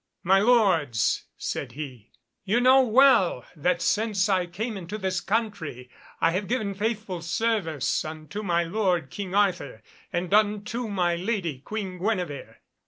"My lords," said he, "you know well that since I came into this country I have given faithful service unto my lord King Arthur and unto my lady Queen Guenevere.